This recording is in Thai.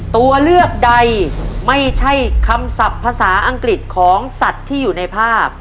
ตัวเลือกใดไม่ใช่คำศัพท์ภาษาอังกฤษของสัตว์ที่อยู่ในภาพ